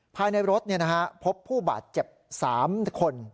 ภายในรถพบผู้บาดเจ็บ๓คน